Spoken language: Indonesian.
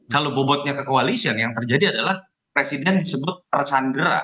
kalau bobotnya ke koalisi yang terjadi adalah presiden disebut tersandera